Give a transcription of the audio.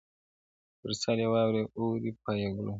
پر سر یې واوري اوروي پای یې ګلونه-